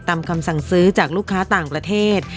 คำสั่งซื้อจากลูกค้าต่างประเทศ